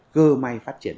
cơ may phát triển